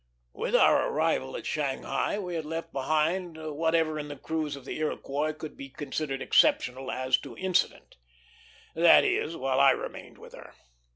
With our arrival at Shanghai we had left behind whatever in the cruise of the Iroquois could be considered exceptional as to incident; that is, while I remained with her.